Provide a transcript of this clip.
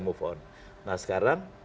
move on nah sekarang